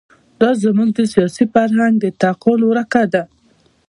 دا زموږ د سیاسي فرهنګ د تعقل ورکه ده.